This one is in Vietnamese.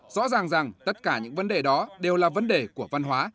rõ ràng rằng tất cả những vấn đề đó đều là vấn đề của văn hóa